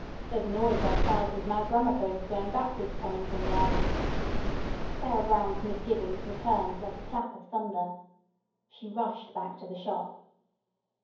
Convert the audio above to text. There's a noise like a thousand mad gramophones playing backwards, coming from there." Sarah Brown's misgivings returned like a clap of thunder. She rushed back to the Shop.